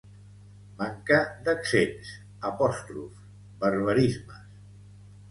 manca d'accents, apòstrofs, barbarismes